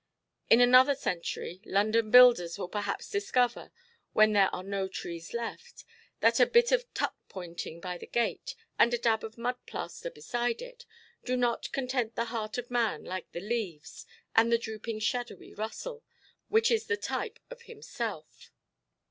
In another century, London builders will perhaps discover, when there are no trees left, that a bit of tuck–pointing by the gate, and a dab of mud–plaster beside it, do not content the heart of man like the leaves, and the drooping shadowy rustle, which is the type of himself.